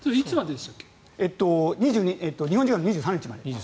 日本時間の２３日まで。